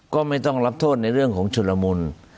ก็ไม่ต้องรับโทษในเรื่องของชุดละมุน